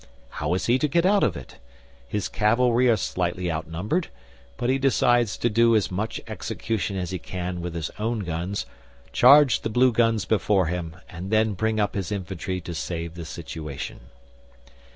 How is he to get out of it? His cavalry are slightly outnumbered, but he decides to do as much execution as he can with his own guns, charge the Blue guns before him, and then bring up his infantry to save the situation.